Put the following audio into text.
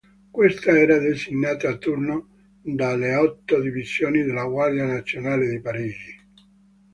Questa era designata a turno dalle otto divisioni della Guardia Nazionale di Parigi.